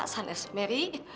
dan itu meri